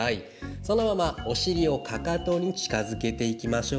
そのまま、お尻をかかとに近づけていきましょう。